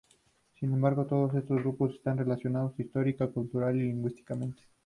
Sin embargo, todos estos grupos están relacionados histórica, cultural y lingüísticamente.